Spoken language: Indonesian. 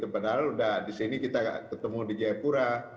padahal sudah di sini kita ketemu di jayapura